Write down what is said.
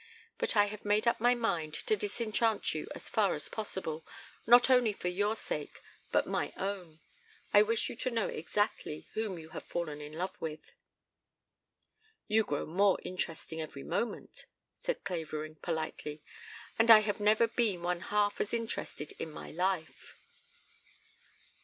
But I have made up my mind to disenchant you as far as possible, not only for your sake but my own. I wish you to know exactly whom you have fallen in love with." "You grow more interesting every moment," said Clavering politely, "and I have never been one half as interested in my life."